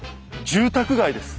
住宅街です。